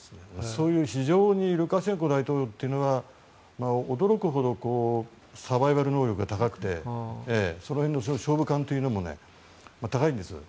そういう非常にルカシェンコ大統領というのは驚くほどサバイバル能力が高くてその辺の勝負勘というのも高いんです。